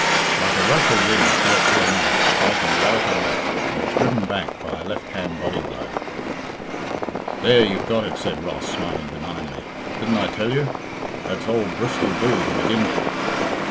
Like a rush of wind Philip came on, striking right and left, and was driven back by a left hand body blow. "There, you've got it," said Ross, smiling benignly. "Didn't I tell you? That's old Bristol Bull to begin with."